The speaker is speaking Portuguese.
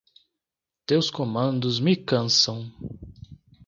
Teus comandos me cansam